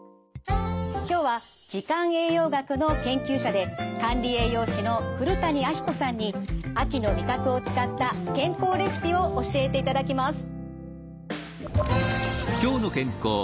今日は時間栄養学の研究者で管理栄養士の古谷彰子さんに秋の味覚を使った健康レシピを教えていただきます。